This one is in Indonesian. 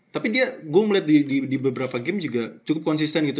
tapi dia gue ngeliat di beberapa game juga cukup konsisten gitu